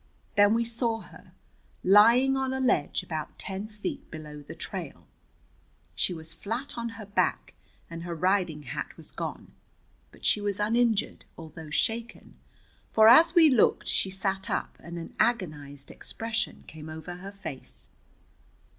Then we saw her, lying on a ledge about ten feet below the trail. She was flat on her back, and her riding hat was gone. But she was uninjured, although shaken, for as we looked she sat up, and an agonized expression came over her face.